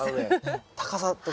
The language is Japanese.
高さとか。